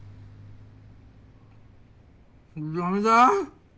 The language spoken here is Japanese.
ダメだ。